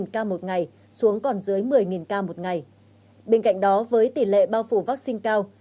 một ca một ngày xuống còn dưới một mươi ca một ngày bên cạnh đó với tỷ lệ bao phủ vaccine cao